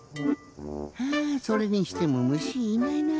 はあそれにしてもむしいないな。